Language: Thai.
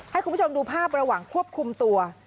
ให้คุณผู้ชมดูภาพระหว่างควบคุมตัว